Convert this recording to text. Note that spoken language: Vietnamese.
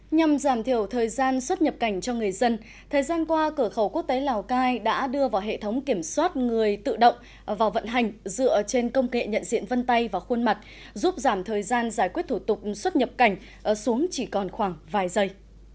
nhằm giảm thiểu thời gian xuất nhập cảnh cho người dân thời gian qua cửa khẩu quốc tế lào cai đã đưa vào hệ thống kiểm soát người tự động vào vận hành dựa trên công nghệ nhận diện vân tay và khuôn mặt giúp giảm thời gian giải quyết thủ tục xuất nhập cảnh xuống chỉ còn khoảng vài giây